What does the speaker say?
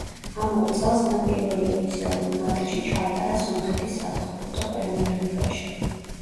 ამავე წელს მან პირველი ოფიციალური მატჩი ჩაატარა სომხეთის საფეხბურთო პრემიერლიგაში.